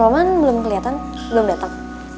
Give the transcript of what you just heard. roman belum keliatan belum dateng